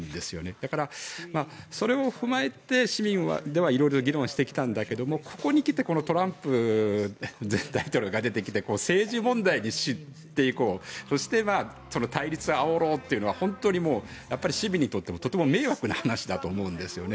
だから、それを踏まえて市民では色々と議論をしてきたんだけれどもここに来てトランプ前大統領が出てきて政治問題にしていこうそしてこの対立をあおろうというのが市民にとってもとても迷惑な話だと思うんですよね。